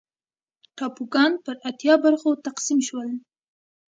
ټاپوګان پر اتیا برخو تقسیم شول.